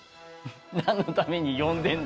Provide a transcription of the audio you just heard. なんのために呼んでんだ？